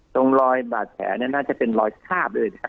ตรงรอยบาดแผลเนี่ยน่าจะเป็นรอยคาบเลยนะครับ